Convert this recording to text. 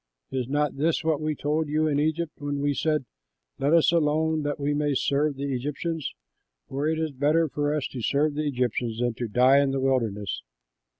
Is not this what we told you in Egypt, when we said, 'Let us alone, that we may serve the Egyptians? For it is better for us to serve the Egyptians than to die in the wilderness.'"